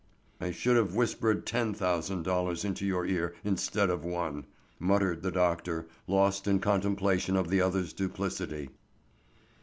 "I should have whispered ten thousand dollars into your ear instead of one," muttered the doctor, lost in contemplation of the other's duplicity.